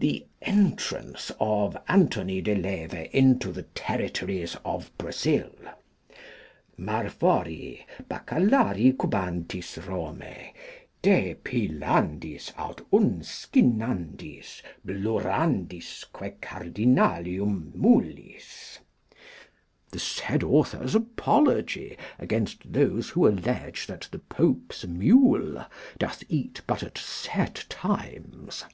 The Entrance of Anthony de Leve into the Territories of Brazil. (Marforii, bacalarii cubantis Romae) de peelandis aut unskinnandis blurrandisque Cardinalium mulis. The said Author's Apology against those who allege that the Pope's mule doth eat but at set times.